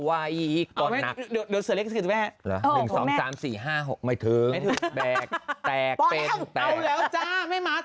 ไม่ทึงแม่คงไม่ถึงแม่คงไม่ถึง